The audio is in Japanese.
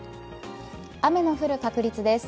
雨の降る確率です。